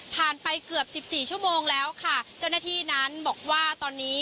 ไปเกือบสิบสี่ชั่วโมงแล้วค่ะเจ้าหน้าที่นั้นบอกว่าตอนนี้